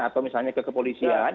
atau misalnya ke kepolisian